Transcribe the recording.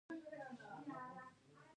آیا دوی مالیاتي سیستم اصلاح نه کوي؟